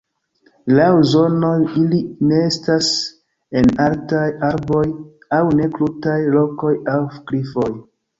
Laŭ zonoj, ili nestas en altaj arboj aŭ en krutaj rokoj aŭ klifoj.